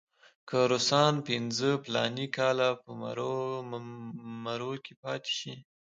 که روسان پنځه فلاني کاله په مرو کې پاتې شي.